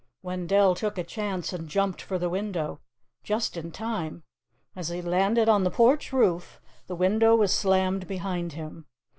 _ Wendell took a chance and jumped for the window. Just in time! As he landed on the porch roof, the window was slammed behind him.